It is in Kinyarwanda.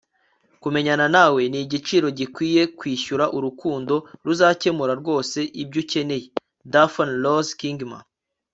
kumenyana nawe ni igiciro gikwiye kwishyura urukundo ruzakemura rwose ibyo ukeneye - daphne rose kingma